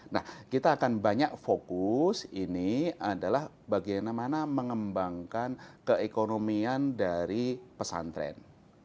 nah kita akan banyak fokus ini adalah bagaimana mengembangkan keekonomian dari pesantren